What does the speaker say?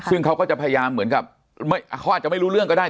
ซึ่งเขาก็จะพยายามเหมือนกับเขาอาจจะไม่รู้เรื่องก็ได้